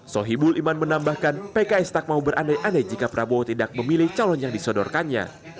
sohibul iman menambahkan pks tak mau berandai andai jika prabowo tidak memilih calon yang disodorkannya